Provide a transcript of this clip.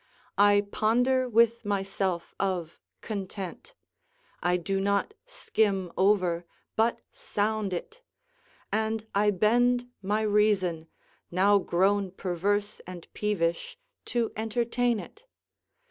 I ponder with myself of content; I do not skim over, but sound it; and I bend my reason, now grown perverse and peevish, to entertain it.